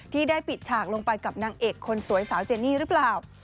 ที่ได้ปิดฉากลงไปกับนางเอกคนสวยสาวเจนี่หรือเปล่า